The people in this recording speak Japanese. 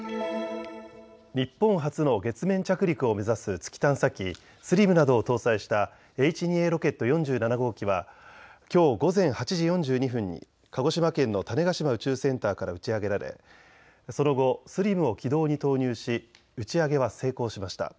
日本初の月面着陸を目指す月探査機ＳＬＩＭなどを搭載したＨ２Ａロケット４７号機はきょう午前８時４２分に鹿児島県の種子島宇宙センターから打ち上げられその後、ＳＬＩＭを軌道に投入し打ち上げは成功しました。